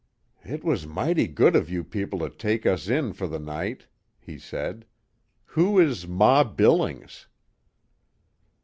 "It was mighty good of you people to take us in for the night," he said. "Who is Ma Billings?"